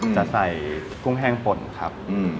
จะใส่กุ้งแห้งป่นครับ